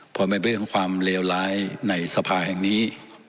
พอเป็นเรื่องของความเลวร้ายในสภาแห่งนี้